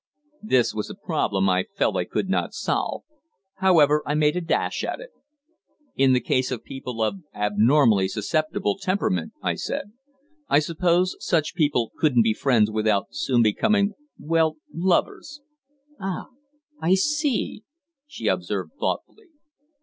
This was a problem I felt I could not solve. However, I made a dash at it. "In the case of people of abnormally susceptible temperament," I said, "I suppose such people couldn't be friends without soon becoming well, lovers." "Ah, I see," she observed thoughtfully.